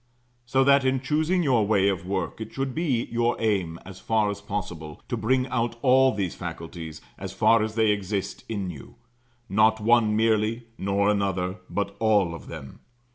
So that in choosing your way of work it should be your aim, as far as possible, to bring out all these faculties, as far as they exist in you; not one merely, nor another, but all of them.